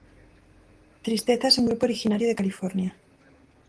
Tristeza es un grupo originario de California.